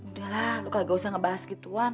udah lah lo kagak usah ngebahas gituan